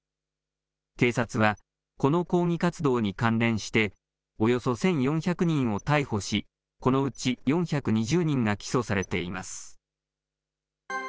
警察はこの抗議活動に関連して、およそ１４００人を逮捕し、このうち４２０人が起訴されています。